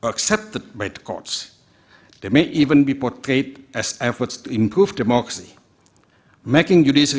atau diperoleh oleh kudus